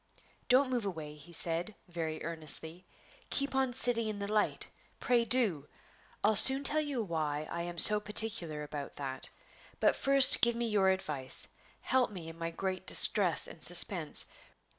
"Don't move away," he said, very earnestly; "keep on sitting in the light; pray do! I'll soon tell you why I am so particular about that. But first give me your advice; help me in my great distress and suspense.